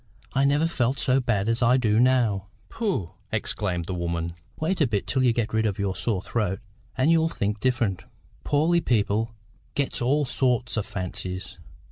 I never felt so bad as I do now." "Pooh!" exclaimed the woman. "Wait a bit till you get rid of your sore throat, and you'll think different. Poorly people gets all sorts o' fancies.